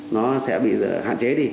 nó sẽ bị hạn chế đi